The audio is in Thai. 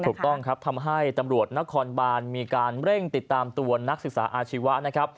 ถูกต้องครับทำให้ตำรวจนครบานมีการเร่งติดตามตัวนักศึกษาอาชีวะนะครับ